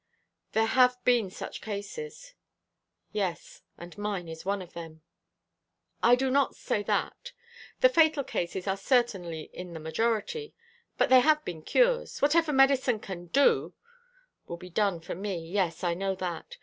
"There have been such cases." "Yes, and mine is one of them." "I do not say that. The fatal cases are certainly in the majority; but there have been cures. Whatever medicine can do " "Will be done for me. Yes, I know that.